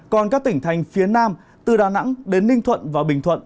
còn các tỉnh thành phía nam từ đà nẵng đến ninh thuận và bình thuận